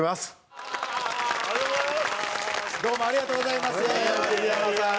どうもありがとうございます栗山さん。